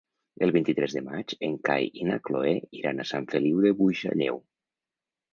El vint-i-tres de maig en Cai i na Cloè iran a Sant Feliu de Buixalleu.